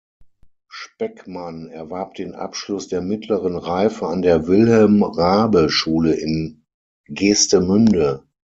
Speckmann erwarb den Abschluss der Mittleren Reife an der Wilhelm-Raabe-Schule in Geestemünde.